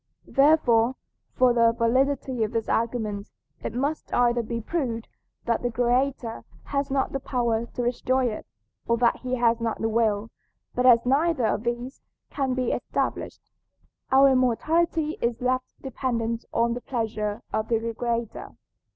Therefore, for the validity of this argument, it must either be proved that the "Creator" has not the power to destroy it, or that he has not the will; but as neither of these can be established, our immortality is left dependent on the pleasure of the Creator.